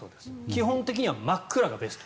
基本的には真っ暗がベスト。